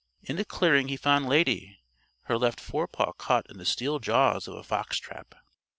In a clearing he found Lady, her left forepaw caught in the steel jaws of a fox trap.